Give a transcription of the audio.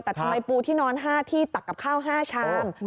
แต่ทำไมปูที่นอน๕ที่ตักกับข้าว๕ชาม